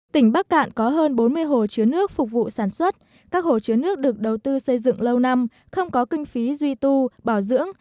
tỉnh bắc cạn có hơn bốn mươi hồ chứa nước phục vụ sản xuất các hồ chứa nước được đầu tư xây dựng lâu năm không có kinh phí duy tu bảo dưỡng